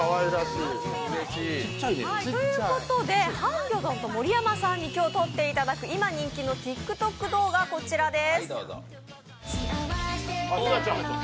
ハンギョドンと盛山さんに今日撮っていただく今人気のＴｉｋＴｏｋ動画がこちらです。